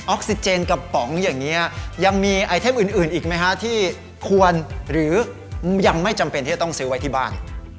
ซิเจนกระป๋องอย่างนี้ยังมีไอเทมอื่นอีกไหมฮะที่ควรหรือยังไม่จำเป็นที่จะต้องซื้อไว้ที่บ้าน